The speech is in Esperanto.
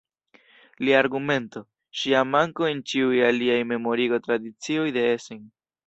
Lia argumento: Ŝia manko en ĉiuj aliaj memorigo-tradicioj de Essen.